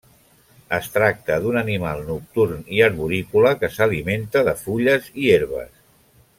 Es tracta d'un animal nocturn i arborícola que s'alimenta de fulles i herbes.